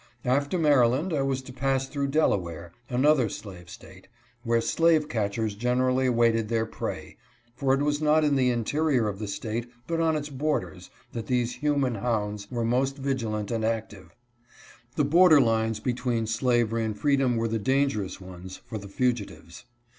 After Maryland I was to pass through Delaware — another slave State, where slave catchers generally awaited their prey, for it was not in the interior of the State, but on its borders, that these human hounds were most vigilant and active. The bor der lines between slavery and freedom were the danger ous ones, for the fugitives.